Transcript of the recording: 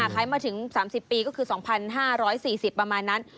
ขายมาถึง๓๐ปีก็คือ๒๕๔๐ประมาณนั้น